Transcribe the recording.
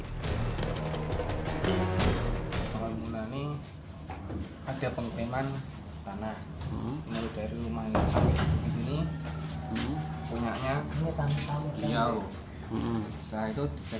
kalau emang ini ada pengupinan tanah dari rumah yang sampai di sini